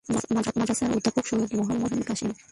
মাদ্রাসার অধ্যক্ষ সৈয়দ মোহাম্মদ ইবরাহীম কাসেম।